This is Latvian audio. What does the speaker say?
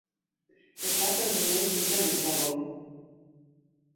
Es atradu mūsu zemes gabalu.